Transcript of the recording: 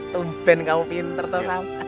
tumpen kamu pinter tau sama